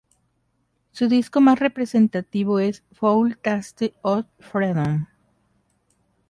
Su disco más representativo es "Foul Taste of Freedom".